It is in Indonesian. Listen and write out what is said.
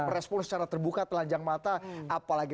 merespon secara terbuka telanjang mata apalagi